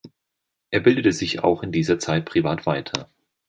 Er bildete sich auch in dieser Zeit privat weiter.